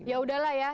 ya udahlah ya